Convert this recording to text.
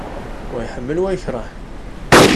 Wa iḥemmel, wa yekreh.